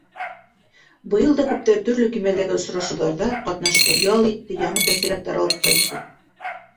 Быйыл да күптәр төрлө кимәлдәге осрашыуҙарҙа ҡатнашты, ял итте, яңы тәьҫораттар алып ҡайтты.